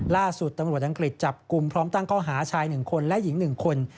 ล่าสุดตำรวจอังกฤษจับกลุ่มพร้อมตั้งข้อหาชาย๑คนและหญิง๑คน